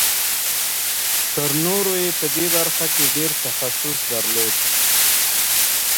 تر نورو یې په دې برخه کې ډېر تخصص درلود